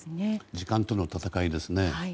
時間との戦いですね。